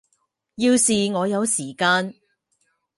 要是我有时间